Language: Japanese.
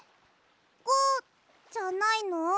５じゃないの？